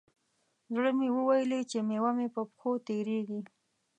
زوی مې وویلې، چې میوه مې په پښو تېرېږي.